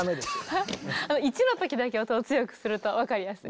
１の時だけ音を強くすると分かりやすい。